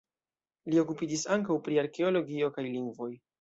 Li okupiĝis ankaŭ pri arkeologio kaj lingvoj.